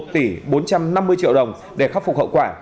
một tỷ bốn trăm năm mươi triệu đồng để khắc phục hậu quả